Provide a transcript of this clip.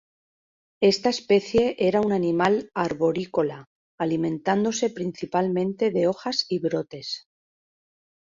Esta especie era un animal arborícola, alimentándose principalmente de hojas y brotes.